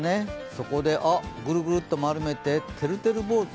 そこで、ぐるぐるっと丸めて、てるてる坊主？